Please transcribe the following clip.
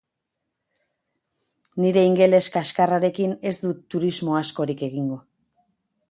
Nire ingeles kaxkarrarekin ez dut turismo askorik egingo.